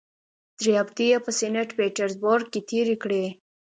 درې هفتې یې په سینټ پیټرزبورګ کې تېرې کړې.